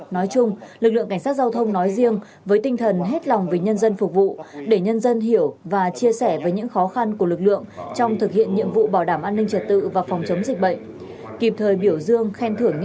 nói chung lực lượng cảnh sát giao thông nói riêng với tinh thần hết lòng vì nhân dân phục vụ để nhân dân hiểu và chia sẻ với những khó khăn của lực lượng trong thực hiện nhiệm vụ bảo đảm an ninh trật tự và phòng chống dịch bệnh